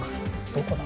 どこだ？